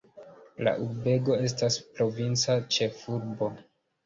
La urbego estas provinca ĉefurbo.